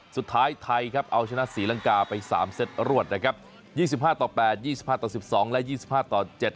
สุดท้ายไทยครับเอาชนะศรีลังกาไป๓เซตรวดนะครับ๒๕ต่อ๘๒๕ต่อ๑๒และ๒๕ต่อ๗